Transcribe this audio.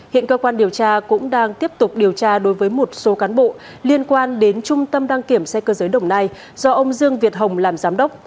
hiện cơ quan điều tra cũng đang tiếp tục điều tra đối với một số cán bộ liên quan đến trung tâm đăng kiểm xe cơ giới đồng nai do ông dương việt hồng làm giám đốc